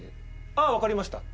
ああわかりました。